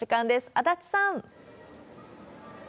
足立さん。